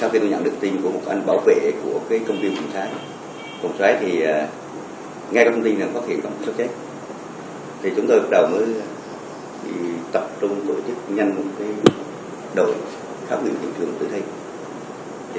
vì vậy chúng tôi bắt đầu mới tập trung tổ chức nhanh đổi khám biện thị trường tự tinh